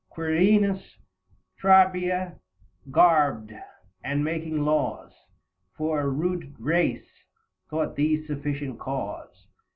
Quirinus trabea garb'd, and making laws For a rude race, thought these sufficient cause.